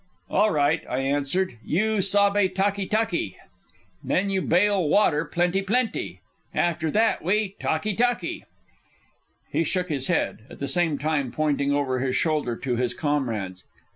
"All right," I answered. "You sabbe talkee talkee, then you bail water plenty plenty. After that we talkee talkee." He shook his head, at the same time pointing over his shoulder to his comrades.